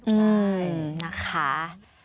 อืมนะคะ